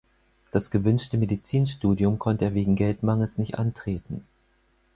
Das gewünschte Medizinstudium konnte er wegen Geldmangels nicht antreten.